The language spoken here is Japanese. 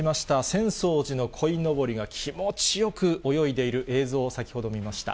浅草寺のこいのぼりが気持ちよく泳いでいる映像を先ほど見ました。